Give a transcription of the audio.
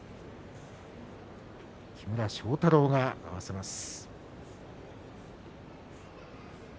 木村庄太郎が合わせます。